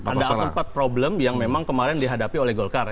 ada empat problem yang memang kemarin dihadapi oleh golkar ya